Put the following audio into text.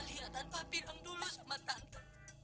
lihat tanpa pirang dulu sama tante